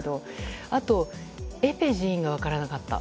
あと、エペジーーンが分からなかった。